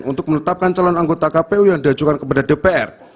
untuk menetapkan calon anggota kpu yang diajukan kepada dpr